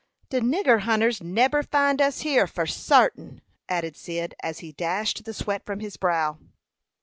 "De nigger hunters neber find us here, for sartin," added Cyd, as he dashed the sweat from his brow.